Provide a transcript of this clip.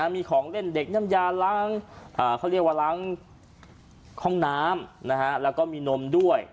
มีของเล่นเด็กน้ำยาล้างเขาเรียกว่าล้างห้องน้ำแล้วก็มีนมด้วย